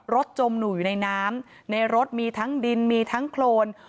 จมหนูอยู่ในน้ำในรถมีทั้งดินมีทั้งโครน